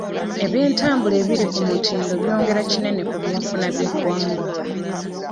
Eby'entabula ebiri ku mutindo byongera kinene ku by'enfuna by'eggwanga.